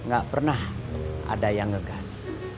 gak pernah ada yang ngegas